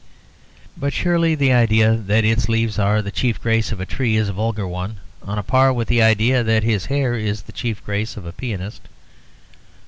But surely the idea that its leaves are the chief grace of a tree is a vulgar one, on a par with the idea that his hair is the chief grace of a pianist.